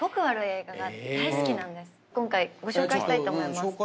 今回ご紹介したいと思います。